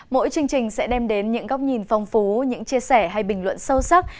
mỗi chương trình sẽ đem đến những góc nhìn phong phú những chia sẻ hay bình luận sâu sắc